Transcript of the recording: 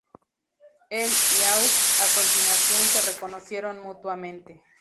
Él y Auge, a continuación, se reconocieron mutuamente.